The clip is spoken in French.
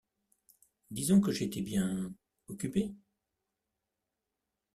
Disons que j’ai été bien... occupée.